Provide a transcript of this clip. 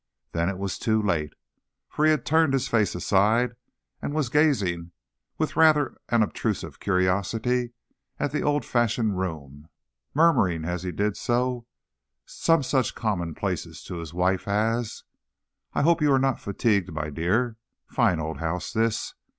Then it was too late, for he had turned his face aside and was gazing with rather an obtrusive curiosity at the old fashioned room, murmuring, as he did so, some such commonplaces to his wife as: "I hope you are not fatigued, my dear. Fine old house, this.